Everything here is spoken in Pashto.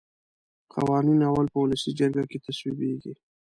قوانین اول په ولسي جرګه کې تصویبیږي.